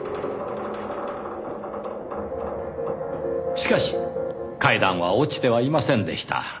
しかし階段は落ちてはいませんでした。